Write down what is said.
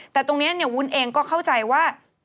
แต่ตรงนี้วุ้นเองก็เข้าใจว่า